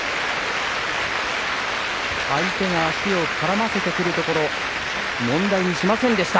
相手が足を絡ませてくるところを問題にしませんでした。